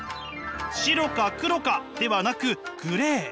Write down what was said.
白か黒かではなくグレー。